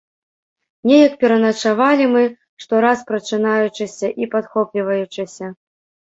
Неяк пераначавалі мы, штораз прачынаючыся і падхопліваючыся.